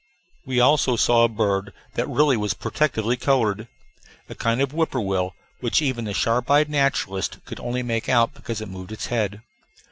We also saw a bird that really was protectively colored; a kind of whippoorwill which even the sharp eyed naturalists could only make out because it moved its head.